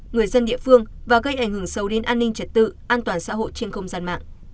người dân địa phương và gây ảnh hưởng sâu đến an ninh trật tự an toàn xã hội trên không gian mạng